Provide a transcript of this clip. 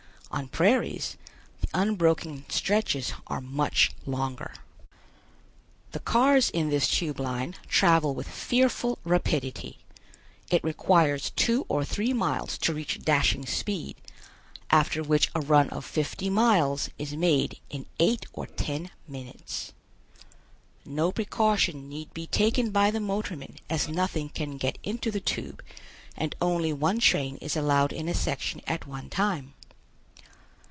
On prairies, the unbroken stretches are much longer. The cars in this Tube Line travel with fearful rapidity. It requires two or three miles to reach dashing speed, after which a run of fifty miles is made in eight or ten minutes. No precaution need be taken by the motorman as nothing can get into the tube and only one train is allowed in a section at one time.